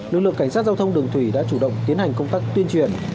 lực lượng cảnh sát giao thông đường thủy đã chủ động tiến hành công tác tuyên truyền